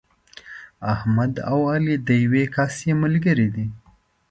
احمد او علي د یوې کاسې ملګري دي.